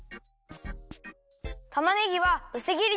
たまねぎはうすぎりにするよ。